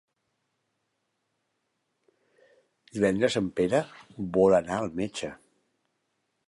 Divendres en Pere vol anar al metge.